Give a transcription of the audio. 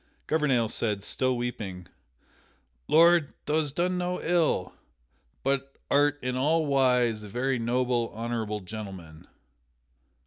Gouvernail said, still weeping: "Lord, thou hast done no ill, but art in all wise a very noble, honorable gentleman."